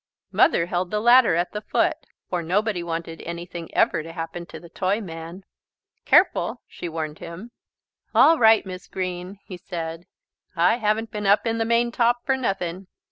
Mother held the ladder at the foot, for nobody wanted anything ever to happen to the Toyman. "Careful!" she warned him. "All right, Mis' Green," he said. "I haven't been up in the maintop for nothing."